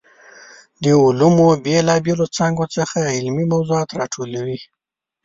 د علومو بېلا بېلو څانګو څخه علمي موضوعات راټولوي.